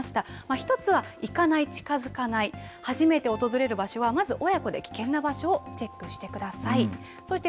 １つは行かない・近づかない初めて訪れる場所はまず親子で危険な場所をチェックしてください。